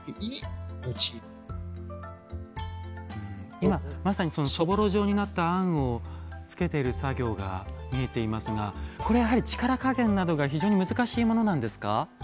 今まさにそぼろ状になった餡をつけている作業が見えていますがこれはやはり力加減などが非常に難しいものなんですか？